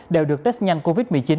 đều được test nhanh covid một mươi chín